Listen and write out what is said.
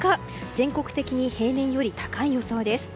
全国的に平年より高い予想です。